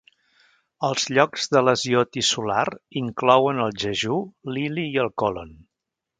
Els llocs de lesió tissular inclouen el jejú, l'ili, i el còlon.